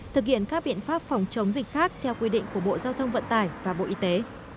thực hiện các biện pháp phòng chống dịch khác theo quy định của bộ giao thông vận tải và bộ y tế